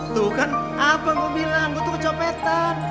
tuh kan apa lo bilang gue tuh kecopetan